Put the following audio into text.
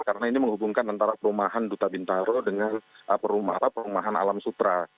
karena ini menghubungkan antara perumahan duta bintaro dengan perumahan alam sutra